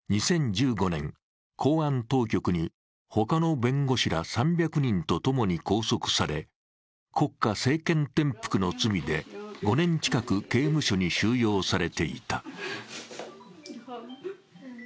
２０１５年、公安当局に他の弁護士ら３００人と共に拘束され国家政権転覆の罪で５年近く刑務所に収容されていた。